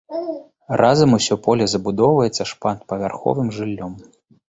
Разам усё поле забудоўваецца шматпавярховым жыллём.